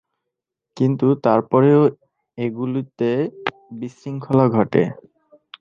কিন্তু তারপরেও এগুলিতে বিশৃঙ্খলা ঘটে।